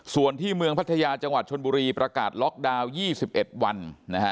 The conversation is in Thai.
ส่วนที่เมืองพัทยาจังหวัดชนบุรีประกาศล็อกดาวน์๒๑วัน